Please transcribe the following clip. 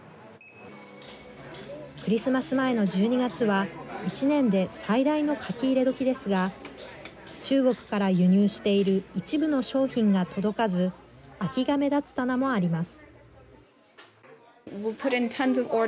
クリスマス前の１２月は、一年で最大の書き入れ時ですが、中国から輸入している一部の商品が届かず、空きが目立つ棚もあります。